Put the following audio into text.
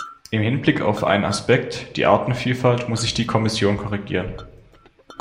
Im Hinblick auf einen Aspekt, die Artenvielfalt, muss ich die Kommission korrigieren.